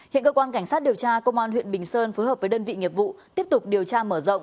hiện cơ quan cảnh sát điều tra công an huyện bình sơn phối hợp với đơn vị nghiệp vụ tiếp tục điều tra mở rộng